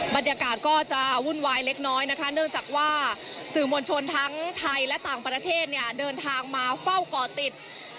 บรรยากาศก็จะวุ่นวายเล็กน้อยนะคะเนื่องจากว่าสื่อมวลชนทั้งไทยและต่างประเทศเนี่ยเดินทางมาเฝ้าก่อติด